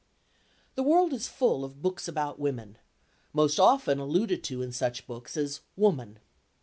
The world is full of books about women,—most often alluded to in such books as "Woman."